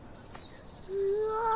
うわ！